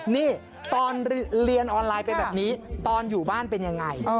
นี่ตอนเรียนออนไลน์เป็นแบบนี้ตอนอยู่บ้านเป็นยังไง